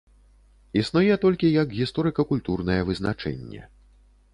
Існуе толькі як гісторыка-культурнае вызначэнне.